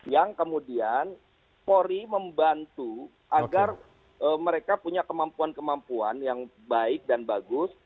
yang kemudian polri membantu agar mereka punya kemampuan kemampuan yang baik dan bagus